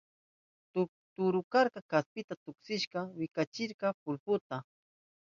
Turunkaka kaspita tuksishpa wichachirka pulbuta.